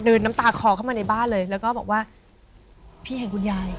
น้ำตาคอเข้ามาในบ้านเลยแล้วก็บอกว่าพี่เห็นคุณยาย